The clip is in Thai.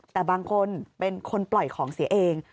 แต่บางคนเป็นคนปล่อยของเสียเอง